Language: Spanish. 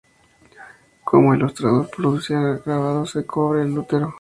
Como ilustrador, producirá grabados en cobre de Lutero.